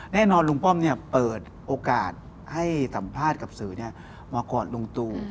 แน่นอนลุงป้อมเปิดโอกาสให้สัมภาษณ์กับสื่อมากอดลุงตู